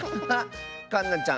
かんなちゃん